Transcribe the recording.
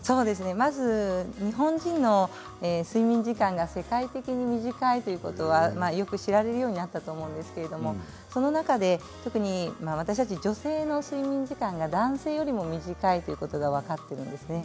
まず日本人の睡眠時間が世界的に見て短いということはよく知られるようになったと思うんですけれどその中で特に私たち女性の睡眠時間が、男性よりも短いということが分かったんですね。